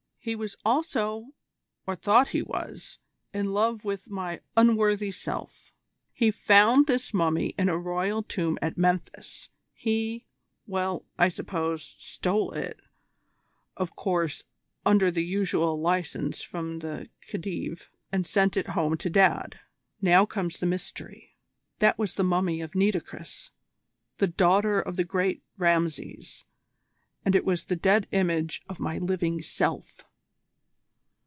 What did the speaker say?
He was also, or thought he was, in love with my unworthy self. He found this mummy in a royal tomb at Memphis. He well, I suppose, stole it of course under the usual licence from the Khedive and sent it home to Dad. Now comes the mystery. That was the mummy of Nitocris, the daughter of the great Rameses, and it was the dead image of my living self."